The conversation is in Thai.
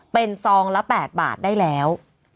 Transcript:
เป็นซองละ๘บาทได้แล้ว